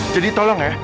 jadi tolong ya